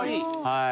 はい。